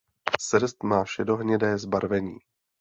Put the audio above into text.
Srst má šedohnědé zbarvení.